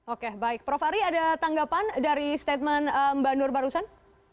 oke baik prof ari ada tanggapan dari statement mbak nur barusan